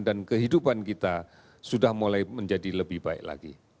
dan kehidupan kita sudah mulai menjadi lebih baik lagi